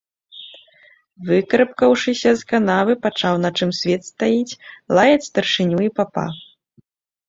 Выкарабкаўшыся з канавы, пачаў на чым свет стаіць лаяць старшыню і папа.